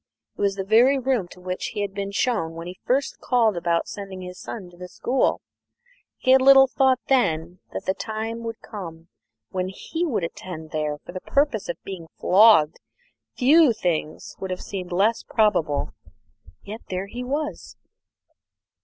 It was the very room to which he had been shown when he first called about sending his son to the school. He had little thought then that the time would come when he would attend there for the purpose of being flogged; few things would have seemed less probable. Yet here he was.